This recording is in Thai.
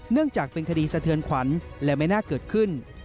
เนื่องจากเป็นคดีสะเทือนขวัญและไม่น่าเกิดขึ้น